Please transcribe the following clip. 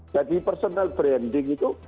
jadi personal branding itu